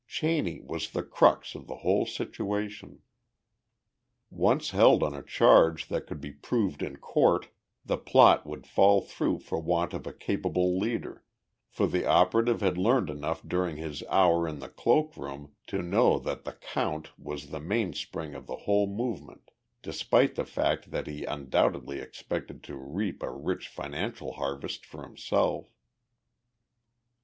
Cheney was the crux of the whole situation. Once held on a charge that could be proved in court, the plot would fall through for want of a capable leader for the operative had learned enough during his hour in the cloak room to know that "the count" was the mainspring of the whole movement, despite the fact that he undoubtedly expected to reap a rich financial harvest for himself.